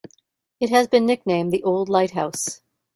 It has been nicknamed, "The Old Lighthouse".